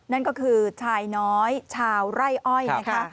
นั่นก็คือชายน้อยชาวไร่อ้อยนะคะ